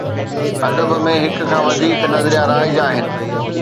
ادب ۾ هڪ کان وڌيڪ نظريا رائج آهن.